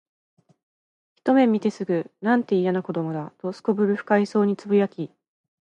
ひとめ見てすぐ、「なんて、いやな子供だ」と頗る不快そうに呟き、